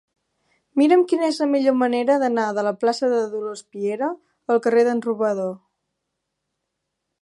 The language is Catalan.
Mira'm quina és la millor manera d'anar de la plaça de Dolors Piera al carrer d'en Robador.